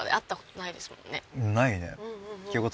ないね。